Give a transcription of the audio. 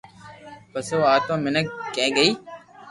پسو او آتما مينک ڪني گئي